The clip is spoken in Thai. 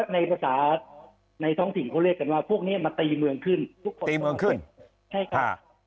ในภาษาในท้องถิ่นเขาเรียกกันว่าพวกนี้มาตีเมืองขึ้นทุกคนตีเมืองขึ้นใช่ครับ